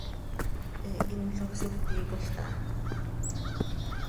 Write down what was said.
He hinloj síticol caha.